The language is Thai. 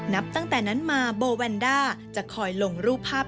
นับตั้งแต่นั้นมาโบแวนด้าจะคอยลงรูปภาพ